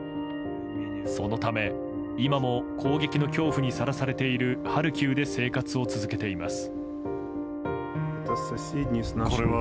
そのため、今も攻撃の恐怖にさらされているハルキウで生活を続けています。